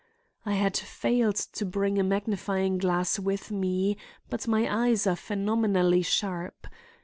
"I had failed to bring a magnifying glass with me, but my eyes are phenomenally sharp.